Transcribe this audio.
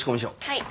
はい。